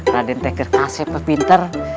raden tekir kasih pepinter